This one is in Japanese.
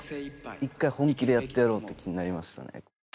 １回本気でやってやろうって気になりましたね。